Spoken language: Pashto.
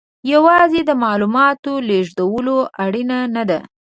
یوازې د معلوماتو لېږدول اړین نه دي.